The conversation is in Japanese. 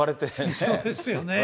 そうですよね。